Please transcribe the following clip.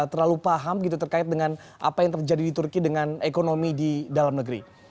terlalu paham gitu terkait dengan apa yang terjadi di turki dengan ekonomi di dalam negeri